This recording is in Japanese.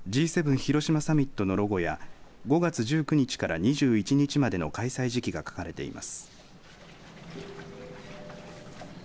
広島サミットのロゴや５月１９日から２１日までの開催時期が書かれています。